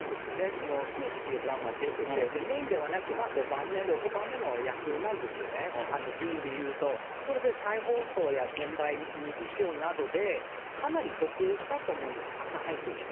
そのスーツというドラマに出てて、メインではなく５番目、６番目の役なんですよね、順位でいうと、それで再放送や転売、二次使用などでかなり得したと思うんです、たくさん入ってきて。